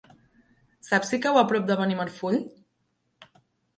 Saps si cau a prop de Benimarfull?